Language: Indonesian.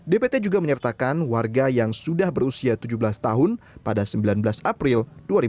dpt juga menyertakan warga yang sudah berusia tujuh belas tahun pada sembilan belas april dua ribu dua puluh